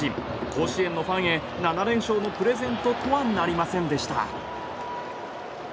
甲子園のファンへ７連勝のプレゼントとはなりませんでした。